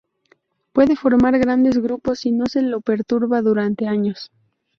Puede formar grandes grupos si no se lo perturba durante años.